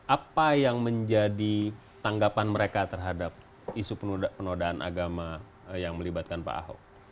apa yang menjadi tanggapan mereka terhadap isu penodaan agama yang melibatkan pak ahok